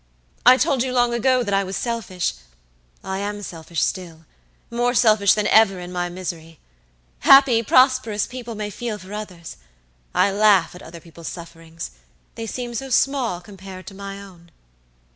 I told you long ago that I was selfish; I am selfish stillmore selfish than ever in my misery. Happy, prosperous people may feel for others. I laugh at other people's sufferings; they seem so small compared to my own."